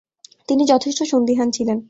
তিনি যথেষ্ট সন্দিহান ছিলেন।